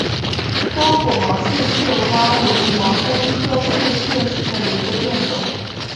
光果毛翠雀花为毛茛科翠雀属下的一个变种。